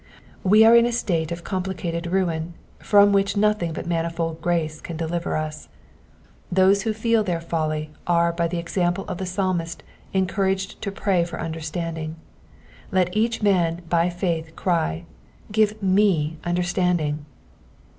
We are in a state of complicated ruin, from which nothing but manifold grace can deliver us. Those who feel their folly are by the example of the Psalmist encouraged to pray for understanding : let each man by faith cry, Give me understanding."